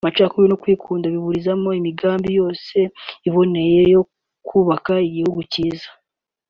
amacakubiri no kwikunda biburizamo imigambi yose iboneye yo kubaka igihugu cyiza